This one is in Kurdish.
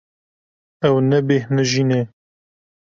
Ew nebêhnijî ne.